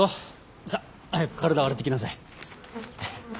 さあ早く体を洗ってきなさい。